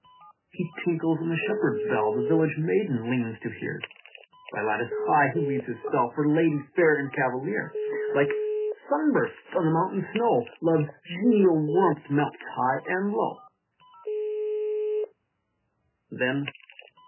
He tinkles in the shepherd s bell The village maiden leans to hear By lattice high he weaves his spell, For lady fair and cavalier : Like sun bursts on the mountain snow, Love s genial warmth melts high and low.